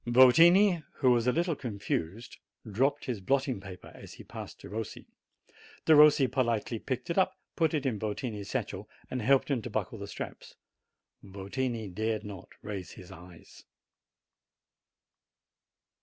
Yotini, who was a little confused, ii2 JANUARY dropped his blotting paper, as he passed Derossi. Derossi politely picked it up, put it in Votini's satchel, and helped him to buckle the straps. Votini dared not raise his eyes.